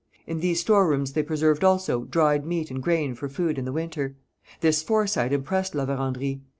In these storerooms they preserved also dried meat and grain for food in the winter. This foresight impressed La Vérendrye.